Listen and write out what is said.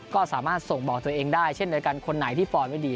ก็สามารถส่งบอกตัวเองได้เช่นเดียวกันคนไหนที่ฟอร์มไม่ดี